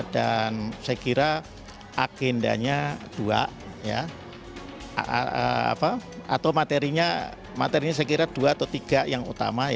dan saya kira akindanya dua atau materinya saya kira dua atau tiga yang utama